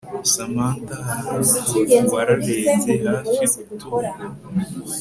Samantha hhhhh ngo wararebye hafi gutubwo